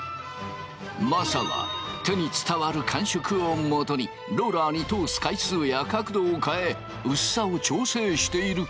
政は手に伝わる感触をもとにローラーに通す回数や角度を変え薄さを調整している。